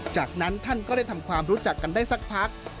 จากนั้นท่านก็ได้ทำความรู้จักกันได้สักพัก